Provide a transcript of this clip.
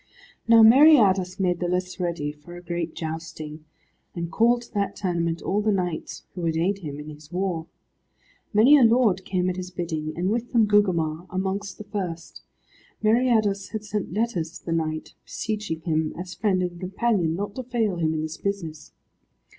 Now Meriadus made the lists ready for a great jousting, and called to that tournament all the knights who would aid him in his war. Many a lord came at his bidding, and with them Gugemar, amongst the first. Meriadus had sent letters to the knight, beseeching him, as friend and companion, not to fail him in this business.